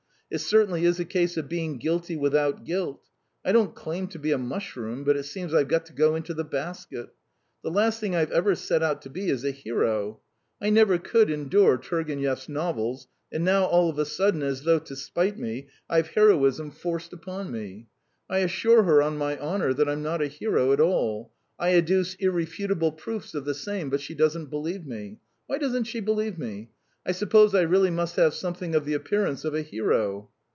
It certainly is a case of 'being guilty without guilt.' I don't claim to be a mushroom, but it seems I've got to go into the basket. The last thing I've ever set out to be is a hero. I never could endure Turgenev's novels; and now, all of a sudden, as though to spite me, I've heroism forced upon me. I assure her on my honour that I'm not a hero at all, I adduce irrefutable proofs of the same, but she doesn't believe me. Why doesn't she believe me? I suppose I really must have something of the appearance of a hero."